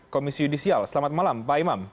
komisi yudisial selamat malam pak imam